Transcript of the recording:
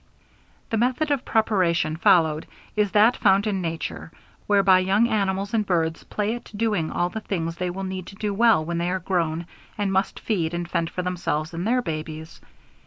The method of preparation followed is that found in nature, whereby young animals and birds play at doing all the things they will need to do well when they are grown and must feed and fend for themselves and their babies.